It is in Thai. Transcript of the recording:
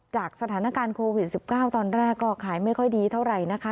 จากสถานการณ์โควิด๑๙ตอนแรกก็ขายไม่ค่อยดีเท่าไหร่นะคะ